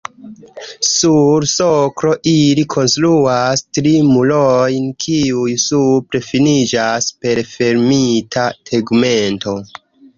Sur soklo ili konstruas tri murojn, kiuj supre finiĝas per fermita tegmento.